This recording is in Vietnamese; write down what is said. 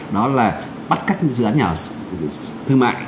đó là bắt cắt dự án nhà thương mại